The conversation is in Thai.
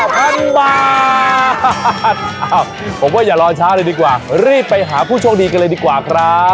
ผมว่าอย่ารอช้าเลยดีกว่ารีบไปหาผู้โชคดีกันเลยดีกว่าครับ